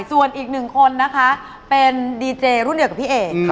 ส่วนอีกหนึ่งคนนะคะเป็นดีเจรุ่นเดียวกับพี่เอก